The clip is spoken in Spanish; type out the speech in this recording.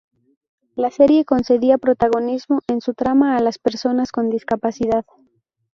La serie concedía protagonismo en su trama a las personas con discapacidad.